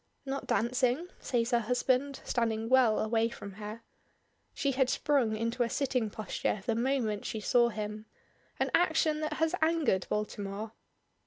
"Not dancing?" says her husband, standing well away from her. She had sprung into a sitting posture the moment she saw him, an action that has angered Baltimore.